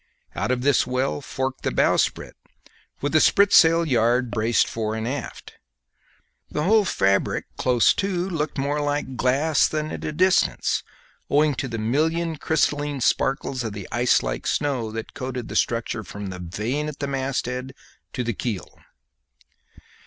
Out of this well forked the bowsprit, with the spritsail yard braced fore and aft. The whole fabric close to looked more like glass than at a distance, owing to the million crystalline sparkles of the ice like snow that coated the structure from the vane at the masthead to the keel.